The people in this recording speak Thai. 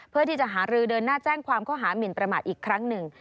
เพื่อที่จะหารือเดินหน้าแจ้งความข้อหามินประมาทอีกครั้งหนึ่ง